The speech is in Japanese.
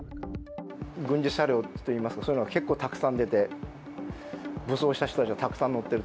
軍事車両って言いますか、そういうのが結構たくさん出て、武装した人たちがたくさん乗ってる。